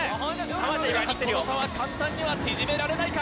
さすがにこの差は簡単には縮められないか？